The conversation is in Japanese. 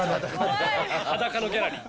裸のギャラリー。